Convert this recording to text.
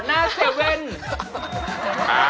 กับจิ๊กโกะหน้า๗